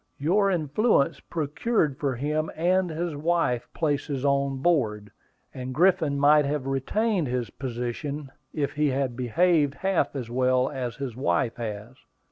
"Your influence procured for him and his wife places on board; and Griffin might have retained his position, if he had behaved half as well as his wife has."